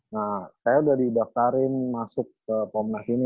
nah saya udah didaftarin masuk ke komnas ini